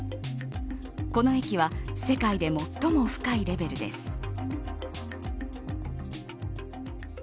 この駅は世界で最も深いレベルです。